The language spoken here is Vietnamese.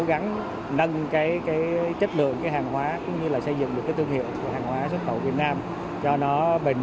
gắng nâng chất lượng hàng hóa cũng như xây dựng được tương hiệu của hàng hóa